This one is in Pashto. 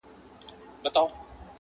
نن دي خیال راته یو ښکلی انعام راوړ,